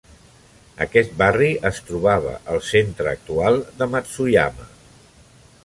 Aquest barri es trobava al centre actual de Matsuyama.